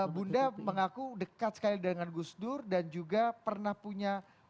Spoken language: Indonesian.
bunda mengaku dekat sekali dengan gus dur dan juga pernah punya